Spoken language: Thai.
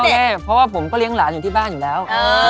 แน่เพราะว่าผมก็เลี้ยงหลานอยู่ที่บ้านอยู่แล้ว